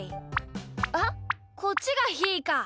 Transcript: あっこっちがひーか！